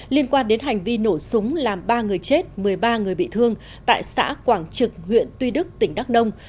liên quan đến hành vi nổ súng làm ba người chết một mươi ba người bị thương tại xã quảng trực huyện tuy đức tỉnh đắk nông